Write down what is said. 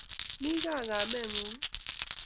Mi kaa kameng'ung' ii?